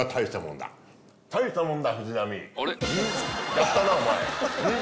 やったなおまえ！